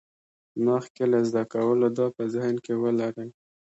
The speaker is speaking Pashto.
مخکې له زده کولو دا په ذهن کې ولرئ.